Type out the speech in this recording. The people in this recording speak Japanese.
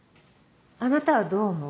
あなたはどう思う？